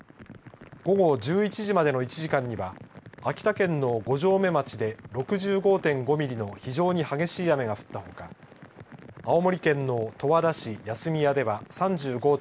午後１１時までの１時間には秋田県の五城目町で６５．５ミリの非常に激しい雨が降ったほか青森県の十和田市休屋では３５．５ミリ